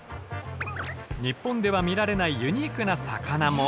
日本では見られないユニークな魚も。